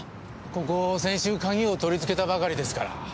ここ先週鍵を取り付けたばかりですから。